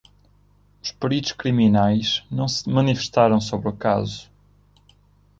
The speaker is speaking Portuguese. Os peritos criminais não se manifestaram sobre o caso.